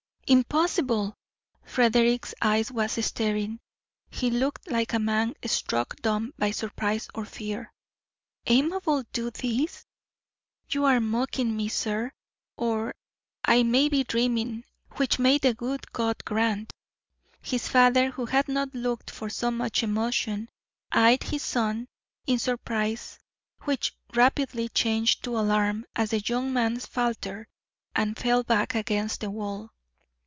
"Impossible!" Frederick's eye was staring; he looked like a man struck dumb by surprise or fear. "Amabel do this? You are mocking me, sir, or I may be dreaming, which may the good God grant." His father, who had not looked for so much emotion, eyed his son in surprise, which rapidly changed to alarm as the young man faltered and fell back against the wall.